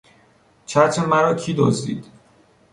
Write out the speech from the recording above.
چتر مرا کی دزدید؟